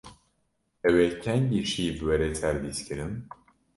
Ew ê kengî şîv were servîskirin?